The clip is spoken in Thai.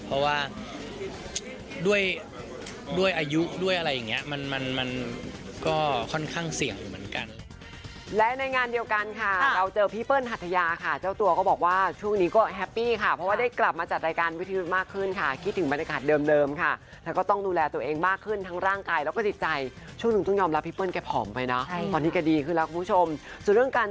เพราะว่าด้วยอายุด้วยอะไรอย่างนี้มันก็ค่อนข้างเสี่ยงเหมือนกัน